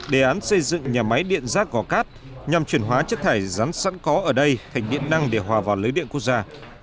đề án xây dựng nhà máy điện rác gò cát nhằm chuyển hóa chất thải rắn sẵn có ở đây thành điện năng để hòa vào lưới điện quốc gia